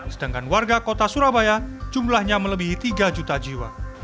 sedangkan warga kota surabaya jumlahnya melebihi tiga juta jiwa